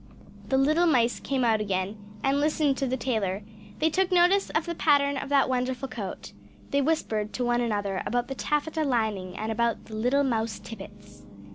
The little mice came out again, and listened to the tailor; they took notice of the pattern of that wonderful coat. They whispered to one another about the taffeta lining, and about little mouse tippets.